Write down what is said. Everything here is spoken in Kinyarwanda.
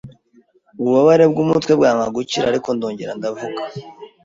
ububabare bw’umutwe bwanga gukira ariko ndongera ndavuga,